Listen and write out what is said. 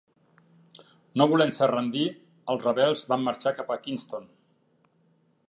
No volent-se rendir, els rebels van marxar cap a Kingston.